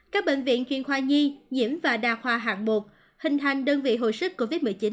các bệnh viện chuyên khoa nhi nhiễm và đa khoa hạng một hình thành đơn vị hồi sức covid một mươi chín